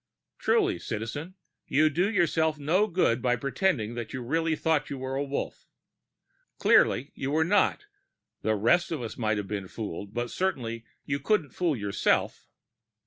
Truly, Citizen, you do yourself no good by pretending that you really thought you were Wolf. Clearly you were not; the rest of us might have been fooled, but certainly you couldn't fool yourself.